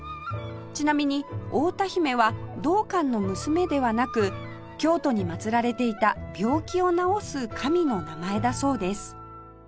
ちなみに太田姫は道灌の娘ではなく京都に祭られていた病気を治す神の名前だそうです